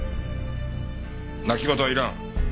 泣き言はいらん。